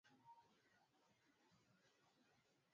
mkulima pia anashauriwa kufukia majani yote kwenye matuta